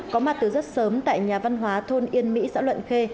có mặt từ rất sớm tại nhà văn hóa thôn yên mỹ xã luận khê